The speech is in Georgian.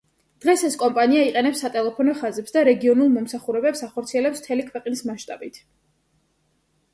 დღეს ეს კომპანია აყენებს სატელეფონო ხაზებს და რეგიონულ მომსახურებებს ახორციელებს მთელი ქვეყნის მასშტაბით.